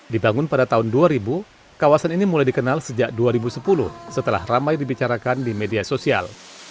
dibangun pada tahun dua ribu kawasan ini mulai dikenal sejak dua ribu sepuluh setelah ramai dibicarakan di media sosial